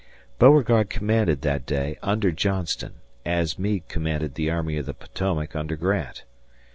Beauregard commanded that day under Johnston as Meade commanded the Army of the Potomac under Grant.